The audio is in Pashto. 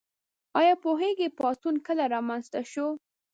ایا پوهیږئ پاڅون کله رامنځته شو؟